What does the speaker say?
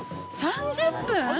◆３０分！